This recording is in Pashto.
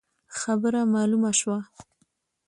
خبره مالومه شوه.